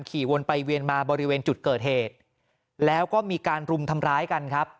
ขี่วนไปเวียนมาบริเวณจุดเกิดเหตุแล้วก็มีการรุมทำร้ายกันครับ